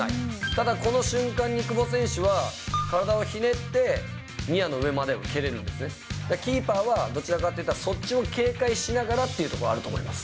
ただこの瞬間に、久保選手は体をひねってニアの上まで蹴れるんですね、キーパーはどちらかというと、そっちも警戒しながらというところあると思います。